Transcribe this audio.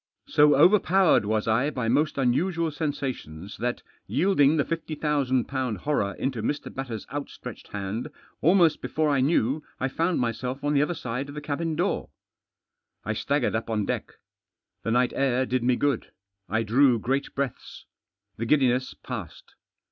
So overpowered wets I by most uiiu&ual setisatioiis that, yielding the £50,000 horror into Mr. Batters' out stretched hand, almost before I knew I found tnyself on the other side of the cabin door. I staggered up m deck. The night afr did me good. I drew great breaths. The giddiness passed.